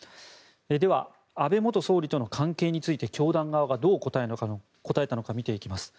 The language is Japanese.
では、安倍元総理との関係について教団側がどう答えたのか見ていきます。